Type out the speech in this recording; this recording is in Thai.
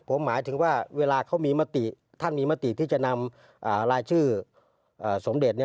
ผมหมายถึงว่าเวลาเขามีมติท่านมีมติที่จะนำรายชื่อสมเด็จ